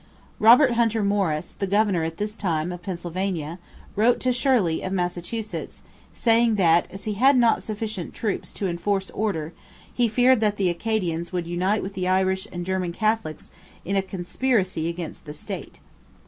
Robert Hunter Morris, the governor at this time of Pennsylvania, wrote to Shirley of Massachusetts saying that, as he had not sufficient troops to enforce order, he feared that the Acadians would unite with the Irish and German Catholics in a conspiracy against the state.